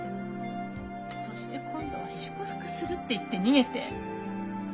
そして今度は「祝福する」って言って逃げて。